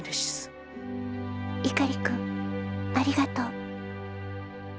碇君、ありがとう。